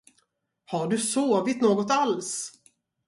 Har du sovit något alls?